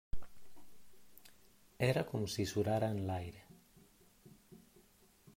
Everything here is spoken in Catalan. Era com si surara en l'aire.